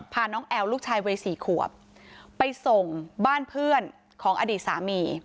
พาน้องแอลลูกชายวัยสี่ขวบไปส่งบ้านเพื่อนของอดีตสามี